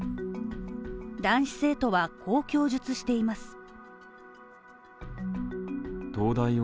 男子生徒はこう供述しています。